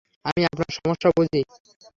আমি আপনার সমস্যা বুঝি।